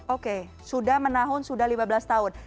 oke sudah menahun sudah lima belas tahun